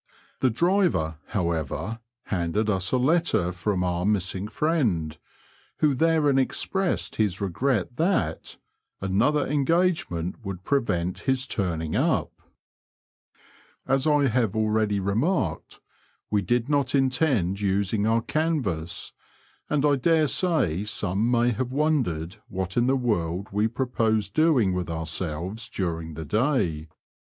The driver, however, handed us a letter from our missing friend, who therein expressed his regret ^bftt ^< another engagement would prevent bis turning up/' Digitized by VjOOQIC 186 BB0AD8 AND BIVEBS OF NOBFOLK AND SUFFOLK. As I have already remarked, we did not intend using our canvas, and I daresay some may have wondered what in the world we proposed doing with ourselves during the day.